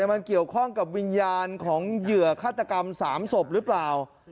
มันเกี่ยวข้องกับวิญญาณของเหยื่อฆาตกรรม๓ศพหรือเปล่า